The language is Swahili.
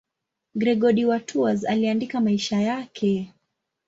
Gregori wa Tours aliandika maisha yake.